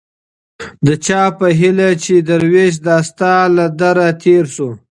د چا په هيله چي دروېش دا ستا له دره تېر سو